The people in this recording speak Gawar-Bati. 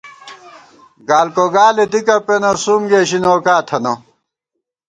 گالکو گالے دِکہ پېنہ ، سُوم گېشی نوکا تھنہ